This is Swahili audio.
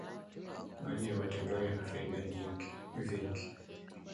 maji ya matembele yana faida vingi